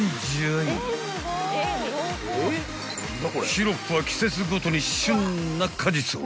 ［シロップは季節ごとに旬な果実を］